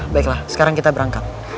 baiklah sekarang kita berangkat